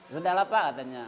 sudah lah pak katanya